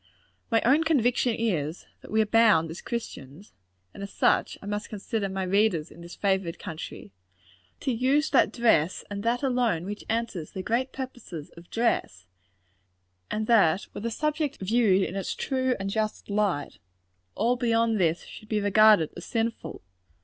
My own conviction is, that we are bound, as Christians and as such, I must consider my readers in this favored country to use that dress, and that alone, which answers the great purposes of dress; and that were the subject viewed in its true and just light, all beyond this should be regarded as sinful.